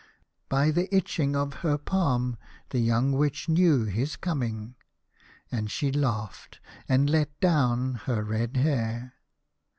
By the itching of her palm the young Witch knew his coming, and she laughed and let down her red hair.